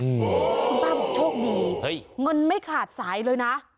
คุณป้าบอกโชคดีเงินไม่ขาดสายเลยนะ